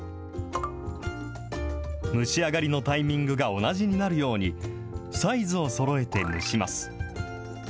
蒸し上がりのタイミングが同じになるように、サイズをそろえて蒸します。